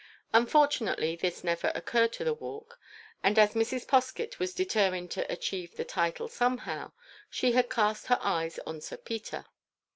Unfortunately this never occurred to the Walk, and as Mrs. Poskett was determined to achieve the title somehow, she had cast her eyes on Sir Peter.